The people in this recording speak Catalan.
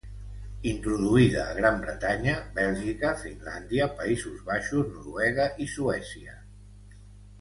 Introduïda a Gran Bretanya, Bèlgica, Finlàndia, Països Baixos, Noruega i Suècia.